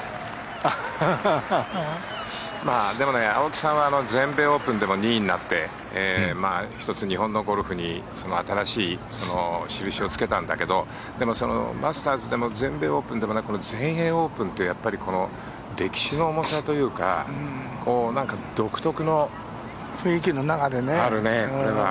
でも青木さんは全米オープンでも２位になって１つ、日本のゴルフに新しい印をつけたんだけどでも、マスターズでも全米オープンでもなく全英オープンという歴史の重さというか独特の雰囲気の中でね。